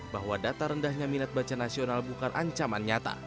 bahwa data rendahnya minat baca nasional bukan ancaman nyata